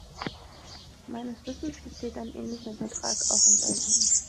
Meines Wissens besteht ein ähnlicher Vertrag auch in Belgien.